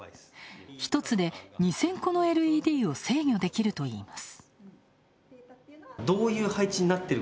１つで２０００個のＬＥＤを制御できるといいます。